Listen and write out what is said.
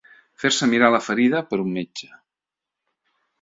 Fer-se mirar la ferida per un metge.